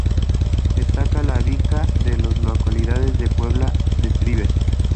Destaca la bica de las localidades de Puebla de Trives.